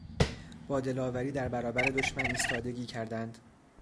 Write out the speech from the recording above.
با دلاوری در برابر دشمن ایستادگی کردند.